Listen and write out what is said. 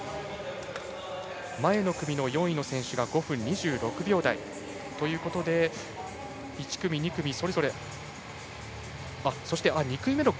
前の組の４位の選手が５分２６秒台。ということで１組２組それぞれ。